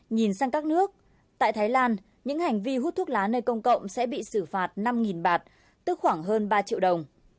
nhìn sang các nước tại thái lan những hành vi hút thuốc lá nơi công cộng sẽ bị xử phạt năm bạt tức khoảng hơn ba triệu đồng